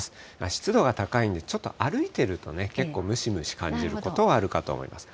湿度は高いので、ちょっと歩いてるとね、結構ムシムシと感じることはあるかと思います。